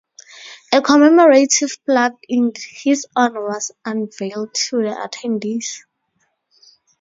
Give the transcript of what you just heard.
A commemorative plaque in his honor was unveiled to the attendees.